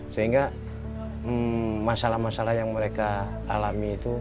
sehingga masalah masalah yang mereka alami itu